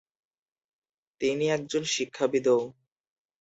তিনি একজন শিক্ষাবিদও।